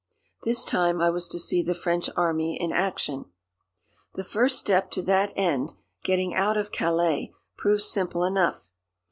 This time I was to see the French Army in action. The first step to that end, getting out of Calais, proved simple enough.